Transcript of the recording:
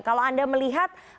kalau anda melihat